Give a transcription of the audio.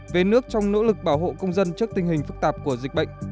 về nước trong nỗ lực bảo hộ công dân trước tình hình phức tạp của dịch bệnh